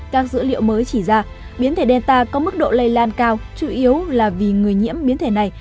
các dữ liệu mới chỉ ra biến thể data có mức độ lây lan cao chủ yếu là vì người nhiễm biến thể này